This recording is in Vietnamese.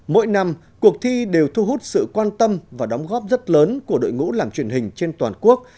mỗi năm cuộc thi đều thu hút sự quan tâm và đóng góp rất lớn của đội ngũ làm truyền hình trên toàn quốc